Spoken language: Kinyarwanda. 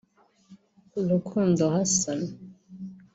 Rukundo Hassan